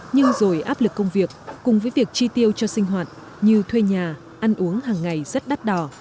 nhưng rồi áp lực công việc cùng với việc chi tiêu cho sinh hoạt như thuê nhà ăn uống hàng ngày rất đắt đỏ